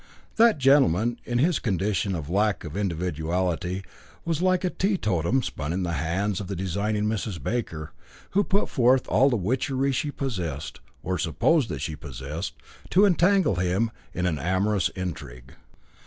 That gentleman, in his condition of lack of individuality, was like a teetotum spun in the hands of the designing Mrs. Baker, who put forth all the witchery she possessed, or supposed that she possessed, to entangle him in an amorous intrigue.